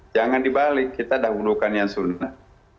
jangan dibalik kita dahulukan yang sunnah